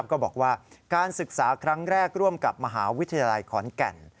ก็บอกว่าการศึกษาครั้งแรกร่วมกับมหาวิทยาลัยขอนแก่น